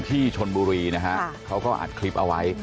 ที่ชนบุรีนะฮะเขาก็อัดคลิปเอาไว้